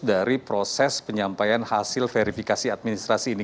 dari proses penyampaian hasil verifikasi administrasi ini